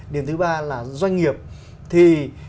điểm thứ ba là doanh nghiệp thì